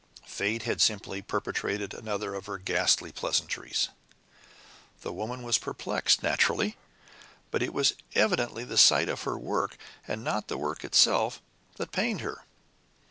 Fate had simply perpetrated another of her ghastly pleasantries! The woman was perplexed naturally! But it was evidently the sight of her work, and not the work, itself, that pained her.